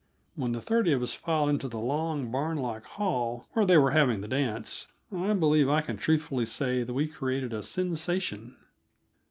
When the thirty of us filed into the long, barn like hall where they were having the dance, I believe I can truthfully say that we created a sensation.